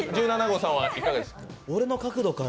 １７号さんはいかがですか？